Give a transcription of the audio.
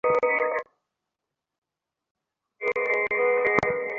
টাকা থাকলে তোকে বিলেতে রেখে পড়াতাম।